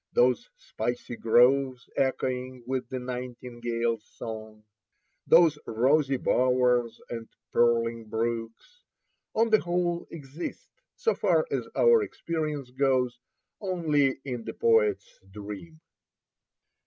Those "spicy groves, echoing with the nightingale's song," those "rosy bowers and purling brooks," on the whole exist, so far as our experience goes, only in the poet's dream.